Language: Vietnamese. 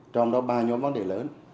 trong đó ba nhóm vấn đề lớn